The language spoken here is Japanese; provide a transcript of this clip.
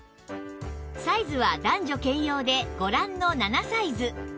サイズは男女兼用でご覧の７サイズ